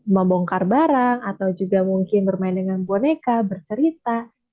membongkar barang atau juga mungkin bermain dengan boneka bercerita